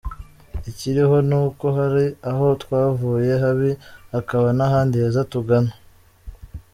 Ikiriho ni uko hari aho twavuye habi, hakaba n’ahandi heza tugana.